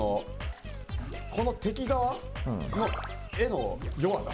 この敵側の絵の弱さ。